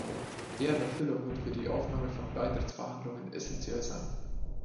Deren Erfüllung wird für die Aufnahme von Beitrittsverhandlungen essentiell sein.